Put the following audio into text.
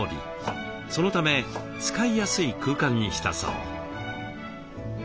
そのため使いやすい空間にしたそう。